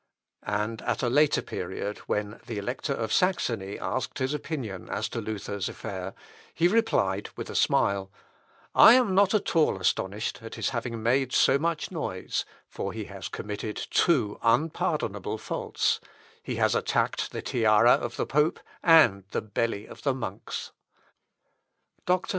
And at a later period when the Elector of Saxony asked his opinion as to Luther's affair, he replied with a smile, "I am not at all astonished at his having made so much noise, for he has committed two unpardonable faults; he has attacked the tiara of the pope and the belly of the monks." Müller's Denkw, iv, 256. Dr.